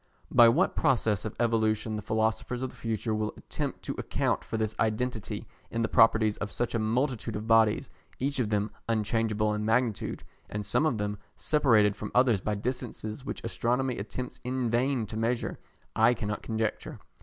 By what process of evolution the philosophers of the future will attempt to account for this identity in the properties of such a multitude of bodies, each of them unchangeable in magnitude, and some of them separated from others by distances which Astronomy attempts in vain to measure, I cannot conjecture.